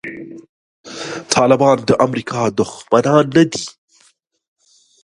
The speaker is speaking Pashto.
طالبان د امریکا دښمنان نه دي.